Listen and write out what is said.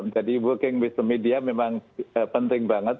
jadi booking wisdom media memang penting banget